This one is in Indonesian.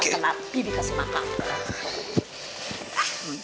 kenapa bibi kasih makan